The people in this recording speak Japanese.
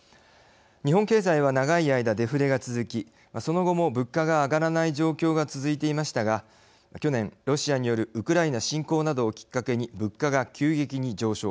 日本経済は長い間デフレが続きその後も物価が上がらない状況が続いていましたが去年、ロシアによるウクライナ侵攻などをきっかけに物価が急激に上昇。